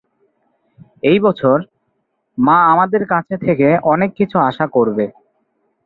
এই বছর, মা আমাদের কাছ থেকে অনেক কিছু আশা করবে।